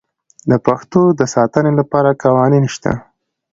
د دښتو د ساتنې لپاره قوانین شته.